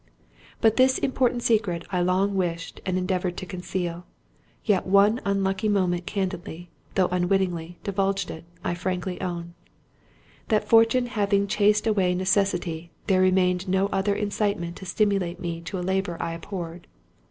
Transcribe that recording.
But this important secret I long wished, and endeavoured to conceal; yet one unlucky moment candidly, though unwittingly, divulged it—I frankly owned, "That Fortune having chased away Necessity, there remained no other incitement to stimulate me to a labour I abhorred."